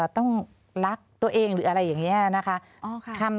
ต้องรักตัวเองหรืออะไรอย่างนี้นะคะ